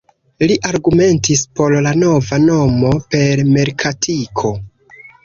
Li argumentis por la nova nomo per merkatiko.